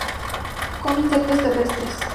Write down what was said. Come insectos terrestres.